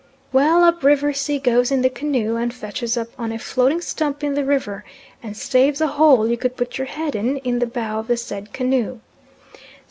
Well, up river C. goes in the canoe, and fetches up on a floating stump in the river, and staves a hole you could put your head in, in the bow of the said canoe.